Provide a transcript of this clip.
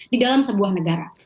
di dalam sebuah negara